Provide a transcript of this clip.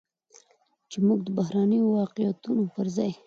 چې موږ د بهرنيو واقعيتونو پرځاى